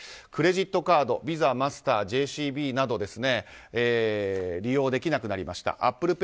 クレジットカードＶＩＳＡ、マスター、ＪＣＢなど利用できなくなりました。